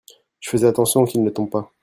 Je faisais attention qu'il ne tombe pas.